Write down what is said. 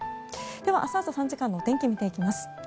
では、明日朝３時間のお天気を見ていきます。